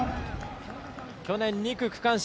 去年２区区間賞。